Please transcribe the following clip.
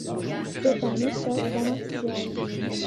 C’est un échec commercial.